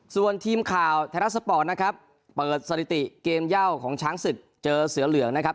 ส่วนทีมข่าวไทยรัฐสปอร์ตนะครับเปิดสถิติเกมเย่าของช้างศึกเจอเสือเหลืองนะครับ